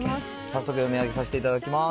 早速読み上げさせていただきます。